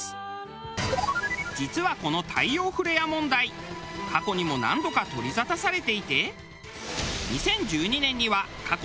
実はこの太陽フレア問題過去にも何度か取り沙汰されていて。